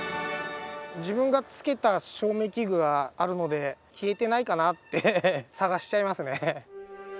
自分がつけた照明器具があるので消えてないかなって探しちゃいますね。